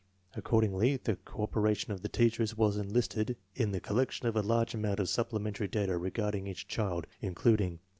Ac cordingly, the cooperation of the teachers was enlisted in the collection of a large amount of supplementary data regarding each child, including: 1.